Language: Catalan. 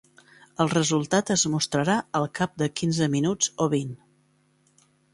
El resultat es mostrarà al cap de quinze minuts o vint.